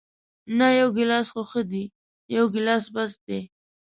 نه، یو ګیلاس خو ښه دی، یو ګیلاس بس دی.